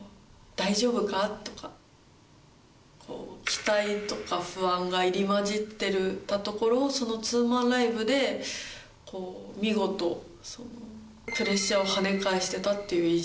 期待とか不安が入り交じってたところをその２マンライブで見事プレッシャーをはね返してたっていう印象はあります。